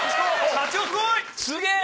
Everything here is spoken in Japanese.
社長すごい！